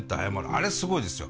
あれすごいですよ。